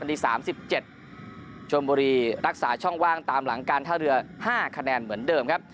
ที่๓๗ชนบุรีรักษาช่องว่างตามหลังการท่าเรือ๕คะแนนเหมือนเดิมครับ